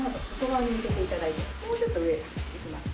もうちょっと上にできますか？